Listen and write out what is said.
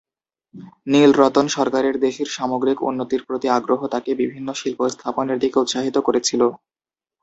নীলরতন সরকারের দেশের সামগ্রিক উন্নতির প্রতি আগ্রহ তাঁকে বিভিন্ন শিল্প স্থাপনের দিকে উৎসাহিত করেছিল।